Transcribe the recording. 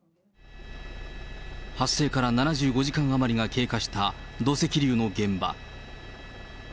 発生から７５時間余りが経過した土石流の現場。